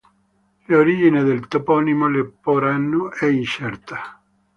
L'origine del toponimo Leporano è incerta.